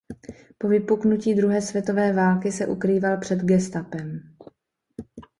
Po vypuknutí druhé světové války se ukrýval před gestapem.